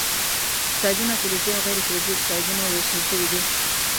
اکسایدونه فلزي او غیر فلزي اکسایدونو ویشل شوي دي.